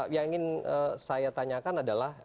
yang ingin saya tanyakan adalah